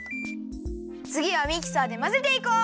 つぎはミキサーでまぜていこう！